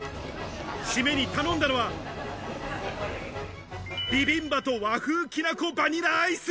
締めに頼んだのはビビンバと和風きなこバニラアイス。